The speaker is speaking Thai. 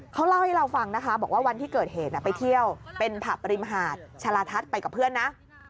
เขาเล่าให้เราฟังนะคะบอกว่าวันที่เกิดเหตุไปเที่ยวเป็นผับริมหาดชาลาทัศน์ไปกับเพื่อนนะ